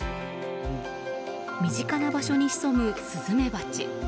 身近な場所に潜むスズメバチ。